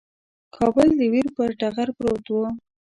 کابل د ویر پر ټغر پروت وو.